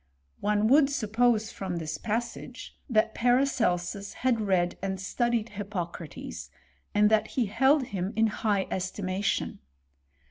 One would sup pose, from this passage, that Paracelsus had read and studied Hippocrates, and that he held him in high es timation.